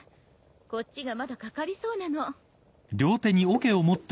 こっちがまだかかりそうなの。